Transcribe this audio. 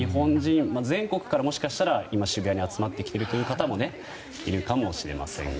全国からもしかしたら今、渋谷に集まってきているという方もいるかもしれませんが。